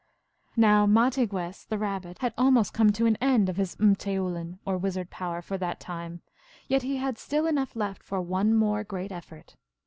Now Mahtigwess, the Rabbit, had almost come to an end of his rrfteoulin, or wizard power, for that time, yet he had still enough left for one more great effort.